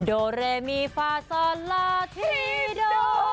โดเรมีฟาซอนลาทีโด